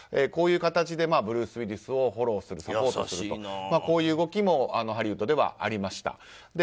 こういう形でブルース・ウィリスをフォローするサポートするという動きもハリウッドでありました。